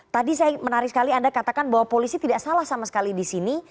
tadi saya menarik sekali anda katakan bahwa polisi tidak salah sama sekali di sini